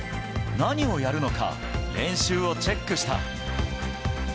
何をやるのか練習をチェックした。